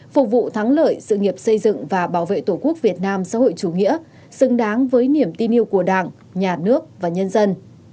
phục vụ thắng lợi sự nghiệp xây dựng và bảo vệ tổ quốc việt nam xã hội chủ nghĩa xứng đáng với niềm tin yêu của đảng nhà nước và nhân dân